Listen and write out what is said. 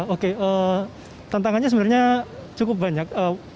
oke tantangannya sebenarnya cukup banyak